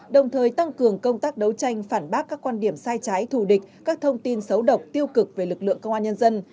đồng thời tăng cường công tác đấu tranh phản bác các quan điểm sai trái thù địch các thông tin xấu độc tiêu cực về lực lượng công an nhân dân